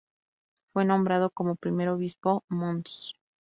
Fue nombrado como primer obispo mons.